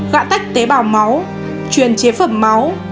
gã tách tế bào máu truyền chế phẩm máu